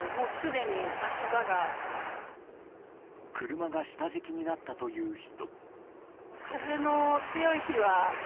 車が下敷きになったという人。